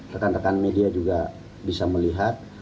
rekan rekan media juga bisa melihat